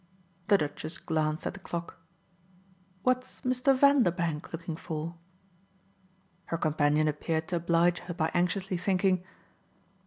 The Duchess glanced at the clock. "What's Mr. Vanderbank looking for?" Her companion appeared to oblige her by anxiously thinking.